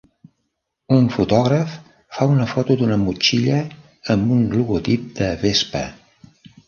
Un fotògraf fa una foto d'una motxilla amb un logotip de Vespa.